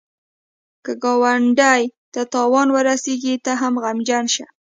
که ګاونډي ته تاوان ورسېږي، ته هم غمژن شه